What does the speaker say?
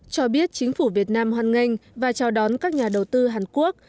cho biết chính phủ việt nam hoan nghênh và chào đón các nhà đầu tư hàn quốc